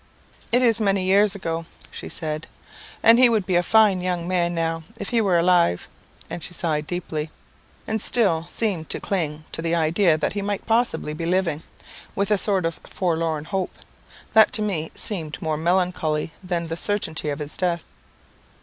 "It is a many years ago," she said, "and he would be a fine young man now, if he were alive." And she sighed deeply, and still seemed to cling to the idea that he might possibly be living, with a sort of forlorn hope, that to me seemed more melancholy than the certainty of his death.